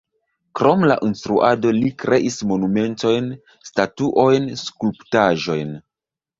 Krom la instruado li kreis monumentojn, statuojn, skulptaĵojn.